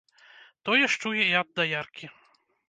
Тое ж чую і ад даяркі.